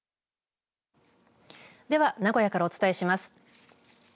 では、名古屋からお伝えします。